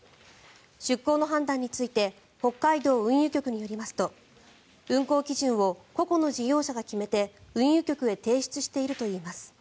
出航の判断について北海道運輸局によりますと運航基準を個々の事業者が決めて運輸局へ提出しているといいます。